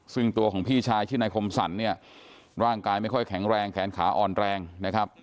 ซึ่งตัวของพี่ชายชื่อนายคมสรรเนี่ยร่างกายไม่ค่อยแข็งแรงแขนขาอ่อนแรงนะครับ